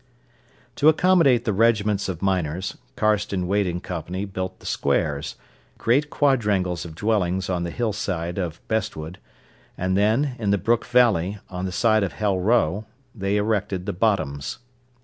To accommodate the regiments of miners, Carston, Waite and Co. built the Squares, great quadrangles of dwellings on the hillside of Bestwood, and then, in the brook valley, on the site of Hell Row, they erected the Bottoms.